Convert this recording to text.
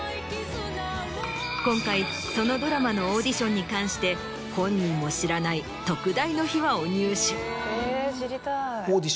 今回そのドラマのオーディションに関して本人も知らない特大の秘話を入手。